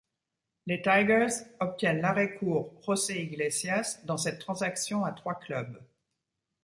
Les Tigers obtiennent l'arrêt-court José Iglesias dans cette transaction à trois clubs.